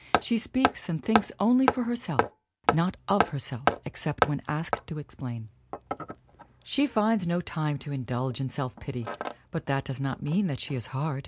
She speaks and thinks only for herself not of herself except when asked to explain. She finds no time to indulge in self pity, but that does not mean that she is hard.